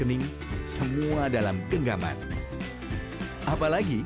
terima kasih banyak